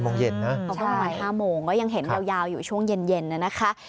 ๑๐โมงเย็นนะประมาณ๕โมงก็ยังเห็นยาวอยู่ช่วงเย็นนะคะ